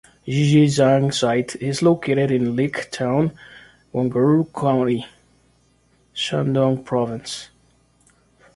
Xixinzhang site is located in Lique Town, Guangrao County, Shandong Province.